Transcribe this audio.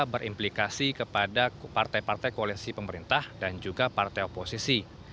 berimplikasi kepada partai partai koalisi pemerintah dan juga partai oposisi